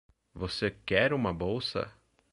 Você quer uma bolsa?